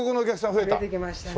増えてきましたね。